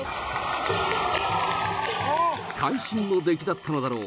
会心の出来だったのだろう。